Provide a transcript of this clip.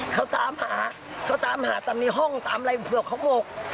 เขาตามหาตามหาตามนี่ห้องตามอะไรเผื่อเขาบอก